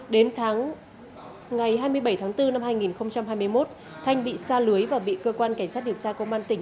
đến ngày hai mươi bảy tháng bốn năm hai nghìn hai mươi một thanh bị xa lưới và bị cơ quan cảnh sát điều tra công an tỉnh